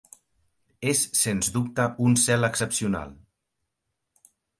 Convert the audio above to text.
És, sens dubte, un cel excepcional.